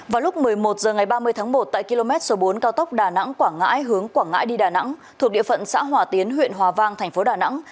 vào lúc một mươi một h ngày ba mươi tháng một tại km số bốn cao tốc đà nẵng quảng ngãi hướng quảng ngãi đi đà nẵng thuộc địa phận xã hòa tiến huyện hòa vang thành phố đà nẵng